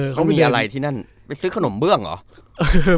เขามีอะไรที่นั่นไปซื้อขนมเบื้องเหรอ